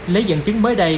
lấy dẫn chứng mới đây